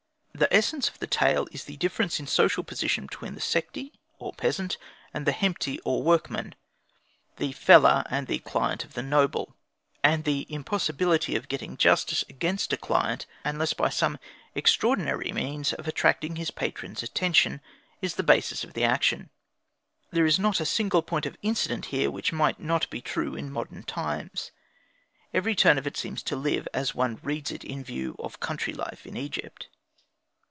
The essence of the tale is the difference in social position between the Sekhti, or peasant, and the Hemti, or workman the fellah and the client of the noble; and the impossibility of getting justice against a client, unless by some extraordinary means of attracting his patron's attention, is the basis of the action. There is not a single point of incident here which might not be true in modern times; every turn of it seems to live, as one reads it in view of country life in Egypt.